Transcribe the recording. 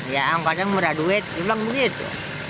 ya angkosnya murah duit di bilang begitu